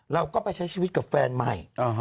เราก็ไปใช้ชีวิตกับแฟนใหม่